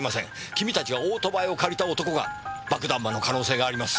君たちがオートバイを借りた男が爆弾魔の可能性があります。